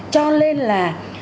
cho nên là